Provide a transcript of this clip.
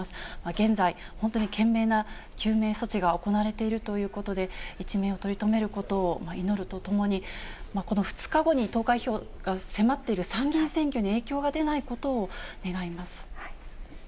現在、本当に懸命な救命措置が行われているということで、一命をとり止めることを祈るとともに、この２日後に投開票が迫っている参議院選挙に影響が出ないことを願います。